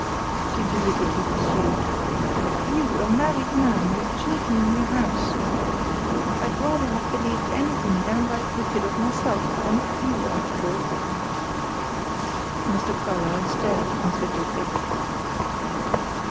she deliberately pursued. "You! A married man, with children in your house! I'd rather have believed anything downright wicked of myself, than of you, Archibald." Mr. Carlyle stared considerably.